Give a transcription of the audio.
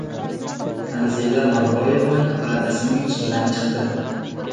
Tanzila Norboyeva va’dasining ustidan chiqdi